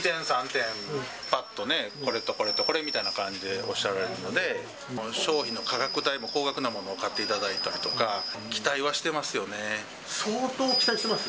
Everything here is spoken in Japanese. ２点、３点、ぱっとね、これとこれとこれみたいな感じでおっしゃられるので、商品の価格帯も高額なものを買っていただいたりとか、期待はして相当期待してます？